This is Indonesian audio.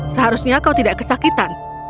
seharusnya kau tidak kesakitan